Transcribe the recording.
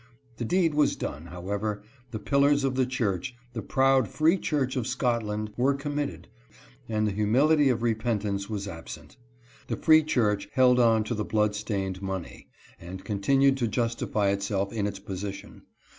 The deed was done, however ; the pillars of the church — the proud Free Church of Scotland — were committed, and the humility of repentance was absent. The Free Church held on to the blood stained money, and continued to justify itself in its position.